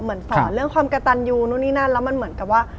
เหมือนสอนเรื่องความกระตันยูนู่นนี่นั่นแล้วมันเหมือนกับว่า